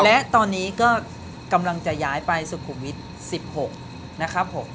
และตอนนี้ก็กำลังจะย้ายไปสุขุมวิทย์๑๖นะครับผม